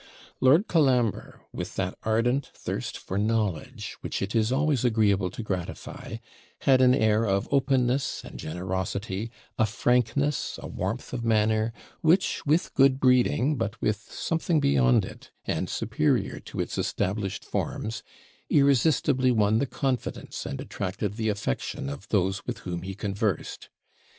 Lord Colambre, with that ardent thirst for knowledge which it is always agreeable to gratify, had an air of openness and generosity, a frankness, a warmth of manner, which, with good breeding, but with something beyond it and superior to its established forms, irresistibly won the confidence and attracted the affection of those with whom he conversed.